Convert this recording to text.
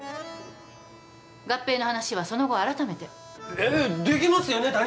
合併の話はその後改めてえっできますよね